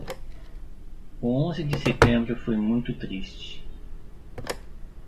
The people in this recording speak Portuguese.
O onze de setembro foi muito triste.